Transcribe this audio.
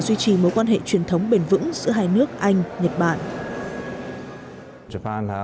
tạo ra một số quan hệ truyền thống bền vững giữa hai nước anh nhật bản